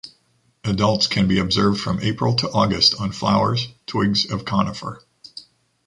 Adults can be observed from April to August on flowers, twigs of conifer.